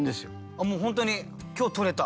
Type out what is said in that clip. もう本当に今日とれた。